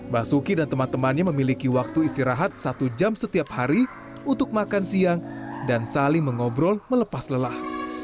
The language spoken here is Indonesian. basuki dan teman temannya memiliki waktu istirahat satu jam setiap hari untuk makan siang dan saling mengobrol melepas lelah